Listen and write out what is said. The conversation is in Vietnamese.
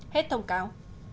hết thông cáo